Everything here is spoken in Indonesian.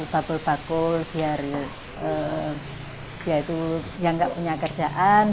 siapa berpaku siapa yang tidak punya kerjaan